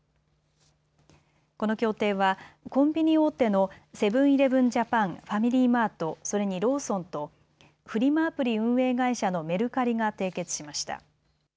この協定はコンビニ大手のセブン‐イレブン・ジャパン、ファミリーマート、それにローソンとフリマアプリ運営会社のメルカリが締結しました。